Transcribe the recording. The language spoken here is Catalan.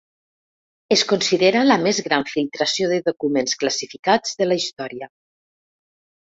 Es considera la més gran filtració de documents classificats de la història.